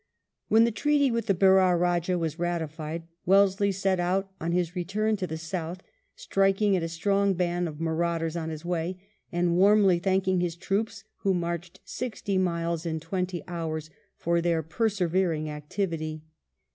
When the treaty with the Berar Bajah was ratified Wellesley set out on his return to the south, striking at a strong band of marauders on his way, and warmly thank ing his troops, who marched sixty miles in twenty hours, for their " persevering activity."